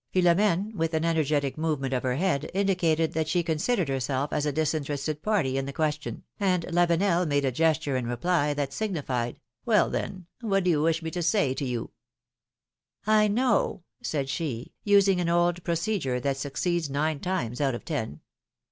'^ Philomdne, with an energetic movement of her nead, PHILOMi:NE^S MARRIAGES. 297 . indicated that she considered herself as a disinterested party in the question, and Lavenel made a gesture in reply that signified : Well, then, what do you wish me to say to you ? know," said she, using an old procedure that suc ^ ceeds nine times out of ten.